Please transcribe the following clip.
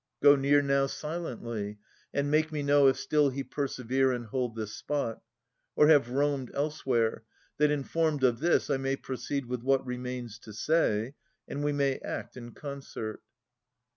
Go near now silently, and make me know If still he persevere and hold this spot. Or have roamed elsewhere, that informed of this I may proceed with what remains to say, And we may act in concert.